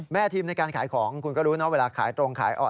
แม่ทีมในการขายของคุณก็รู้นะเวลาขายตรงขายอ่อน